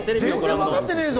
全然わかってねぇぞ！